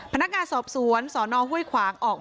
พนักงานสอบสวนสอนหุ้ยขวาง